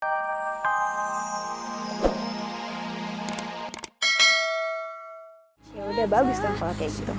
yaudah bagus kan kalau kayak gitu